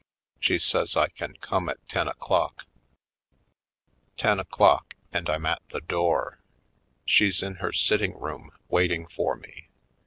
She says I can come at ten o'clock. Ten o'clock and I'm at the door. She's in her sitting room waiting for me.